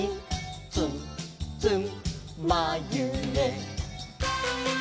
「つんつんまゆげ」